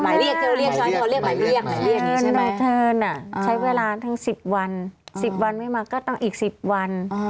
หมายเรียกเขาเรียกใช้เวลาทั้ง๑๐วัน๑๐วันไม่มาก็ต้องอีก๑๐วัน